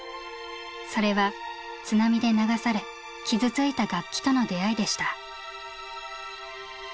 それは津波で流され傷ついた楽器との出会いでした。